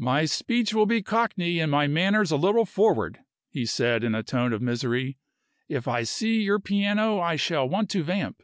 "My speech will be Cockney and my manners a little forward," he said, in a tone of misery. "If I see your piano I shall want to vamp."